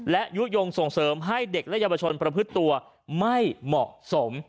และยุโยงส่งเสริมให้เด็กและเยาวชนประพฤติตัวไม่เหมาะสม